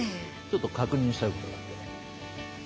ちょっと確認したいことがあってね。